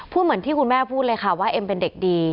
เหมือนที่คุณแม่พูดเลยค่ะว่าเอ็มเป็นเด็กดี